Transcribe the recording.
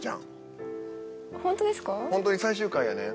ホントに最終回やねん。